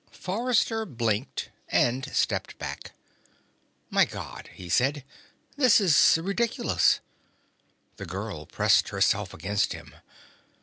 Forrester blinked and stepped back. "My God," he said. "This is ridiculous." The girl pressed herself against him.